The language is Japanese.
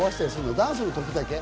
ダンスの時だけ？